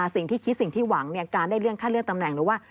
สิ่งที่คิดสิ่งที่หวังเนี่ยการได้เรื่องค่าเลือกตำแหน่งหรือว่า